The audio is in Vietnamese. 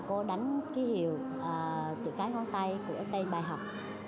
cô đánh ký hiệu từ cái con tay của cái tay bài học